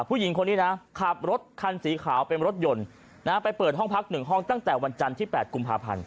ผู้หญิงคนนี้นะขับรถคันสีขาวเป็นรถยนต์ไปเปิดห้องพัก๑ห้องตั้งแต่วันจันทร์ที่๘กุมภาพันธ์